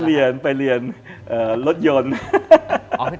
ไม่ได้เรียนไปเรียนรถยนต์